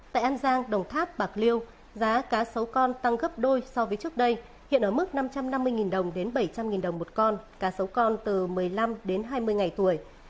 tại an giang đồng tháp bạc liêu giá cá sấu con tăng gấp đôi so với trước đây hiện ở mức năm trăm năm mươi đồng đến bảy trăm linh đồng một con cá sấu con từ một mươi năm đến hai mươi ngày tuổi